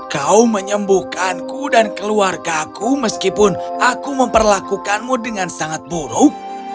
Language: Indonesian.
kau menyembuhkanku dan keluargaku meskipun aku memperlakukanmu dengan sangat buruk